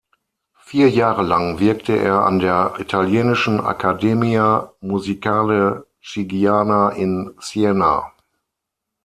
Vier Jahre lang wirkte er an der italienischen Accademia Musicale Chigiana in Siena.